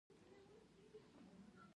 چا چي ډېرې پیسې ورکولې له هغه سره تلل.